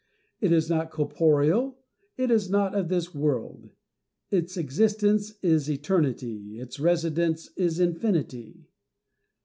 It is not corporeal, it is not of this world ; its existence is eternity, its residence is infinity."